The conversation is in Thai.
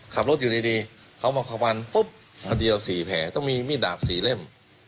ขับรถอยู่ดีเขามาขวันปุ๊บคนเดียว๔แผลต้องมีมีดดาบ๔เล่ม